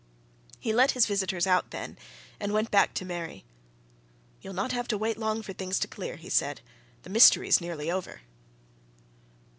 He let his visitors out then, and went back to Mary. "You'll not have to wait long for things to clear," he said. "The mystery's nearly over!"